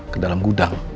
ke dalam gudang